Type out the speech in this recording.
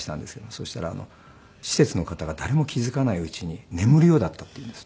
そしたら施設の方が「誰も気付かないうちに眠るようだった」って言うんです。